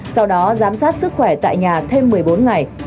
sau đó giám sát sức khỏe tại nhà thêm một mươi bốn ngày